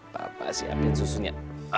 papa siapin susunya